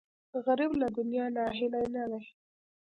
غریب له دنیا ناهیلی نه دی